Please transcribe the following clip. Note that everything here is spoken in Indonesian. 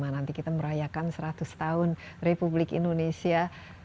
nanti kita merayakan seratus tahun republik indonesia